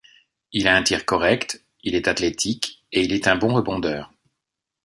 Il a un tir correct, il est athlétique et il est un bon rebondeur.